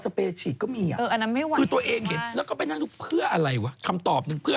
ใช่จริงทำให้ไปสัมปัชฌาติเหมือนกันแหละครับอืม